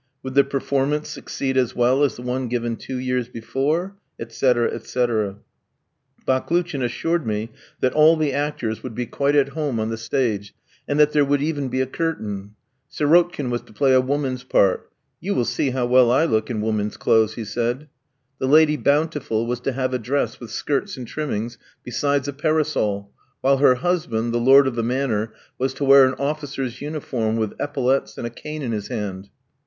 Would the performance succeed as well as the one given two years before?" etc., etc. Baklouchin assured me that all the actors would be quite at home on the stage, and that there would even be a curtain. Sirotkin was to play a woman's part. "You will see how well I look in women's clothes," he said. The Lady Bountiful was to have a dress with skirts and trimmings, besides a parasol; while her husband, the Lord of the Manor, was to wear an officer's uniform, with epaulettes, and a cane in his hand.